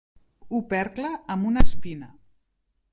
Opercle amb una espina.